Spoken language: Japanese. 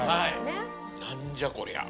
何じゃこりゃ。